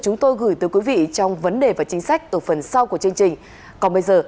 chúng tôi gửi tới quý vị trong vấn đề và chính sách ở phần sau của chương trình còn bây giờ